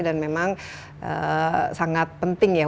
dan memang sangat penting ya